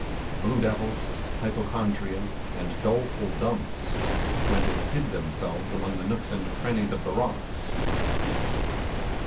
Blue devils, hypochondria, and doleful dumps, went and hid themselves among the nooks and crannies of the rocks.